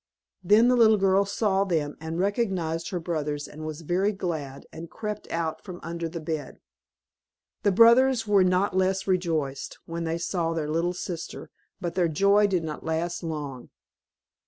Then the little girl saw them and recognised her brothers, and was very glad, and crept out from under the bed. The brothers were not less rejoiced when they saw their little sister, but their joy did not last long.